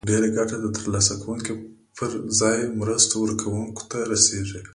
ډیره ګټه د تر لاسه کوونکو پر ځای مرستو ورکوونکو ته رسیږي.